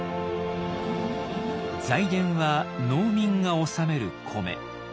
財源は農民が納める米。